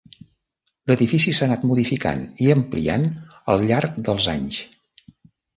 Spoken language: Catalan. L'edifici s'ha anat modificant i ampliant al llarg dels anys.